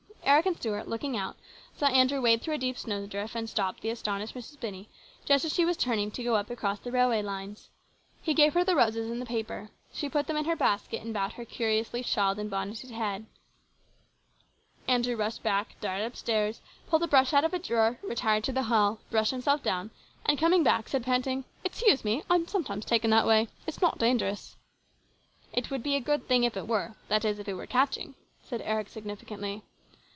Eric and Stuart, looking out, saw Andrew wade through a deep snowdrift and stop the astonished Mrs. Binney just as she was turning off to go up across the railway lines. He gave her the roses in the paper ; she put them in her basket and bowed her curiously shawled and bonneted head. Andrew rushed back, darted upstairs, pulled a brush out of a drawer, retired to the hall, brushed himself down, and coming back said, panting, " Excuse me ; I am sometimes taken that way. It is not dangerous." "It would be a good thing if it were ; that is, if it were catching," said Eric significantly.